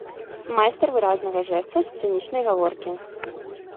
Майстар выразнага жэста, сцэнічнай гаворкі.